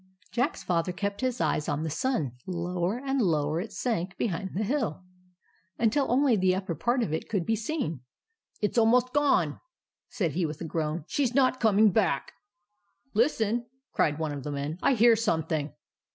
Jack's Father kept his eye on the sun. Lower and lower it sank behind the hill, until only the upper part of it could be seen. " It 's almost gone," said he, with a groan. " She 's not coming back." " Listen !" cried one of the men. " I hear something."